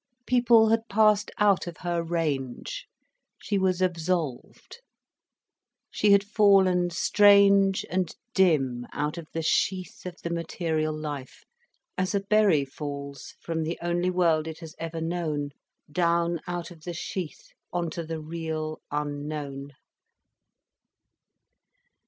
People had passed out of her range, she was absolved. She had fallen strange and dim, out of the sheath of the material life, as a berry falls from the only world it has ever known, down out of the sheath on to the real unknown.